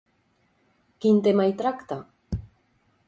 Quin tema hi tracta?